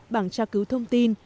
bảng tra cứu thông tin